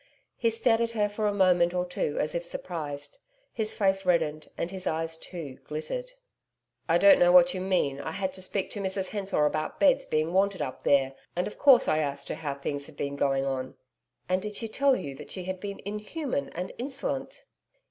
He stared at her for a moment or two as if surprised; his face reddened, and his eyes, too, glittered. 'I don't know what you mean. I had to speak to Mrs Hensor about beds being wanted up there, and of course I asked her how things had been going on.' 'And did she tell you that she had been inhuman and insolent?'